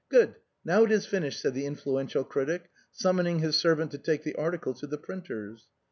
Good, now it is finished," said the influential critic, summoning his servant to take the article to the printers.